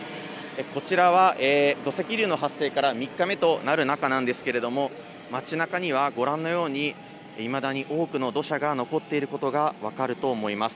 こちらは土石流の発生から３日目となる中なんですけれども、町なかにはご覧のように、いまだに多くの土砂が残っていることが分かると思います。